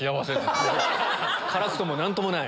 辛くとも何ともない。